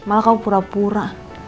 malah kamu pura pura